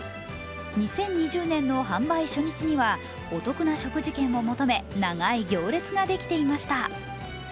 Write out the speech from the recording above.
２０２０年の販売初日にはお得な食事券を求め、長い行列ができていました。